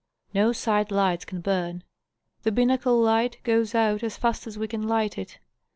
No side lights can burn ; the binnacle light goes out as fast as we can light it.